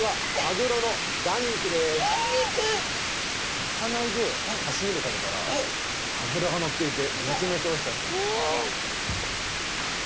賄いで刺身で食べたら脂が乗っていてめちゃめちゃおいしかったんです。